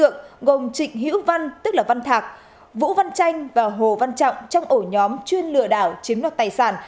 công an tức là văn thạc vũ văn chanh và hồ văn trọng trong ổ nhóm chuyên lừa đảo chiếm nọc tài sản